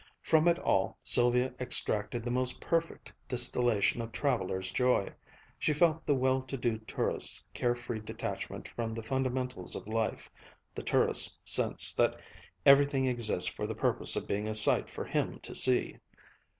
From it all Sylvia extracted the most perfect distillation of traveler's joy. She felt the well to do tourist's care free detachment from the fundamentals of life, the tourist's sense that everything exists for the purpose of being a sight for him to see.